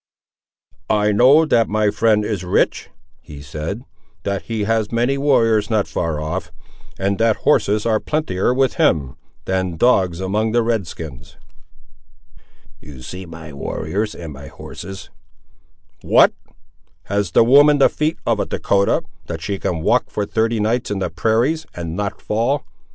"I know that my friend is rich," he said; "that he has many warriors not far off, and that horses are plentier with him, than dogs among the red skins." "You see my warriors, and my horses." "What! has the woman the feet of a Dahcotah, that she can walk for thirty nights in the prairies, and not fall!